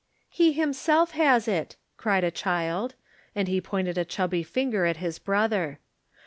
"He himself has it," cried a child, and he pointed a chubby finger at his brother.